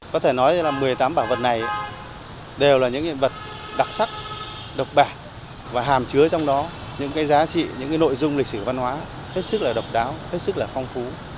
có thể nói là một mươi tám bảo vật này đều là những hiện vật đặc sắc độc bản và hàm chứa trong đó những giá trị những nội dung lịch sử văn hóa hết sức là độc đáo hết sức là phong phú